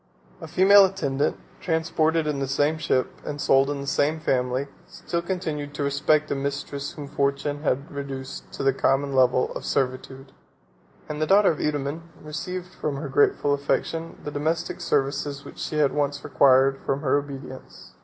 A female attendant, transported in the same ship, and sold in the same family, still continued to respect a mistress whom fortune had reduced to the common level of servitude; and the daughter of Eudaemon received from her grateful affection the domestic services which she had once required from her obedience.